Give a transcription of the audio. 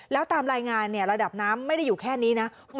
แล้วตามรายงานระดับน้ำไม่ได้อยู่แค่นี้นะ